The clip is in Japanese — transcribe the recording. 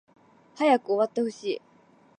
早く終わってほしい